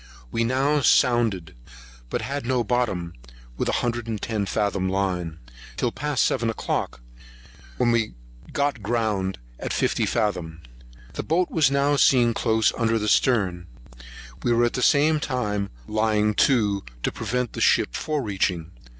We now sounded, but had no bottom with a hundred and ten fathom line, till past seven o'clock, when we got ground in fifty fathom. The boat was now seen close under the stern; we were at the same time lying to, to prevent the ship fore reaching.